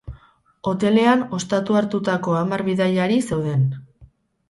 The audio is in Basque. Hotelean ostatu hartutako hamar bidaiari zeuden.